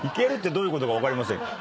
どういうことか分かりません。